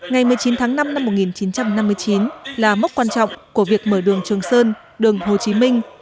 bộ đội cụ hồ năm một nghìn chín trăm năm mươi chín là mốc quan trọng của việc mở đường trường sơn đường hồ chí minh